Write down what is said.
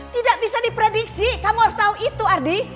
tidak bisa diprediksi kamu harus tahu itu ardi